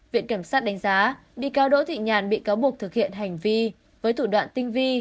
viện kiểm sát đánh giá bị cáo đỗ thị nhàn bị cáo buộc thực hiện hành vi với thủ đoạn tinh vi